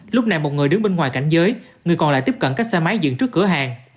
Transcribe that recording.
lúc này một người đứng bên ngoài cảnh giới người còn lại tiếp cận các xe máy dựng trước cửa hàng